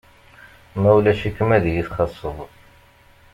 Ma ulac-ikem ad yi-txaṣṣeḍ.